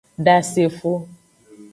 Dasefo.